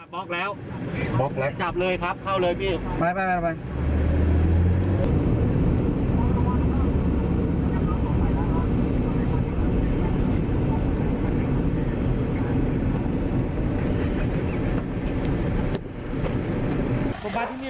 บล็อกแล้วจับเลยครับเข้าเลยพี่